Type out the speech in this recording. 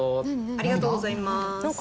ありがとうございます。